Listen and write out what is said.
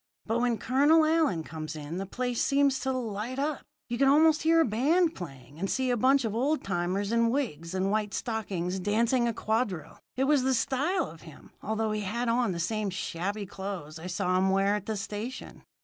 But when Colonel Allyn comes in, the place seemed to light up. You could almost hear a band playing, and see a bunch of old timers in wigs and white stockings dancing a quadrille. It was the style of him, although he had on the same shabby clothes I saw him wear at the station.